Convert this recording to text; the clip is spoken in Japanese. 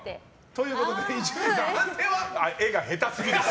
ということで伊集院さん判定は？絵が下手すぎです。